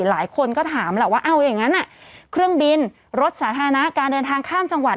หลายคนก็ถามแหละว่าเอาอย่างนั้นเครื่องบินรถสาธารณะการเดินทางข้ามจังหวัด